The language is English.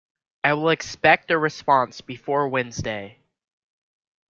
I will expect a response before Wednesday